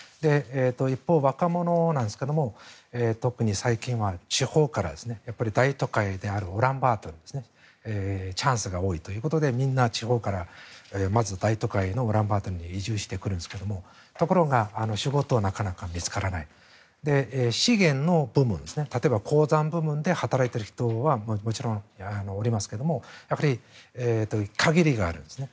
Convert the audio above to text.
一方、若者なんですが特に最近は地方からやっぱり大都会であるウランバートルにチャンスが多いということでみんな地方からまず大都会のウランバートルに移住してくるんですが仕事がなかなか見つからない資源の部分例えば鉱山部分で働いている人はもちろんおりますがやっぱり限りがあるんですね。